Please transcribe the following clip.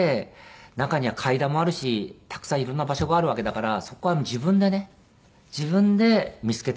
中には階段もあるしたくさん色んな場所があるわけだからそこは自分でね自分で見つけていってほしいなと思うし。